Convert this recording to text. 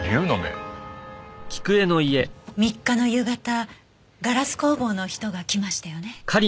３日の夕方ガラス工房の人が来ましたよね？